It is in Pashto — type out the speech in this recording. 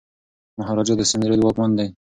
مهاراجا د سند رود واکمن دی.